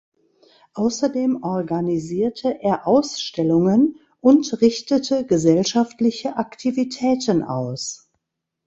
Außerdem organisierte er Ausstellungen und richtete gesellschaftliche Aktivitäten aus.